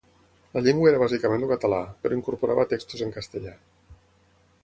La llengua era bàsicament el català, però incorporava textos en castellà.